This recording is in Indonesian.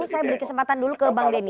saya beri kesempatan dulu ke bang denny